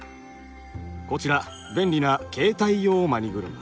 こちら便利な携帯用マニ車。